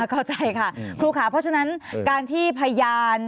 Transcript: เข้าใจค่ะครูค่ะเพราะฉะนั้นการที่พยาน